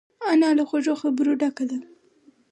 انا له خوږو خبرو ډکه ده